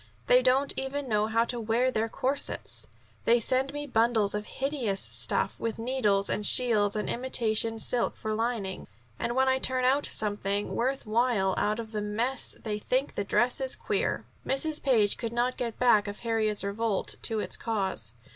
They don't even know how to wear their corsets. They send me bundles of hideous stuff, with needles and shields and imitation silk for lining, and when I turn out something worth while out of the mess they think the dress is queer!" Mrs. Page could not get back of Harriet's revolt to its cause.